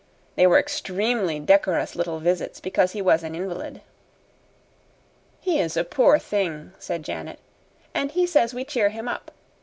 They were extremely decorous little visits because he was an invalid. "He is a poor thing," said Janet, "and he says we cheer him up.